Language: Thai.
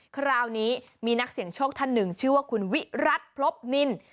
คราวนี้มีนักเสี่ยงโชคท่านหนึ่งชื่อว่าคุณวิรัติพลบนิน